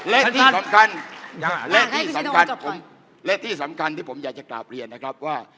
และที่สำคัญและที่สำคัญและที่สำคัญที่ผมอยากจะกราบเรียนนะครับว่า